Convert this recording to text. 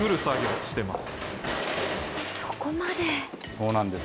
そうなんです。